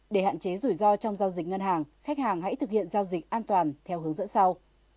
để hạn chế rủi ro trong giao dịch ngân hàng khách hàng hãy thực hiện giao dịch an toàn theo hướng dẫn sau